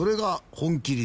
本麒麟